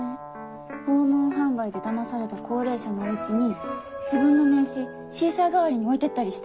訪問販売でだまされた高齢者のお家に自分の名刺シーサー代わりに置いてったりして。